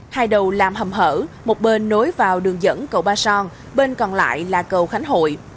hai đầu làm hầm hở một bên nối vào đường dẫn cầu ba son bên còn lại là cầu khánh hội